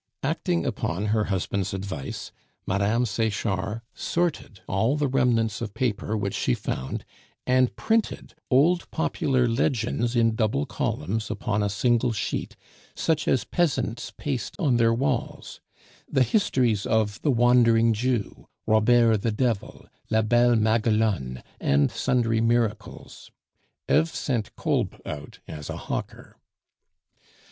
Acting upon her husband's advice, Mme. Sechard sorted all the remnants of paper which she found, and printed old popular legends in double columns upon a single sheet, such as peasants paste on their walls, the histories of The Wandering Jew, Robert the Devil, La Belle Maguelonne and sundry miracles. Eve sent Kolb out as a hawker.